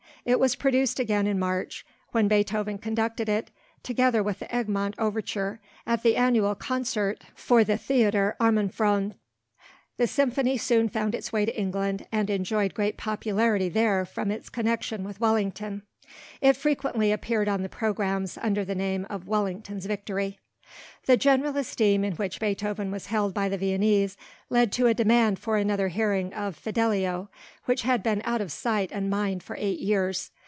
It was produced again in March, when Beethoven conducted it, together with the Egmont Overture, at the annual concert for the Theatre Armenfonds. The symphony soon found its way to England and enjoyed great popularity there from its connection with Wellington. It frequently appeared on the programmes under the name of Wellington's Victory. The general esteem in which Beethoven was held by the Viennese led to a demand for another hearing of Fidelio, which had been out of sight and mind for eight years.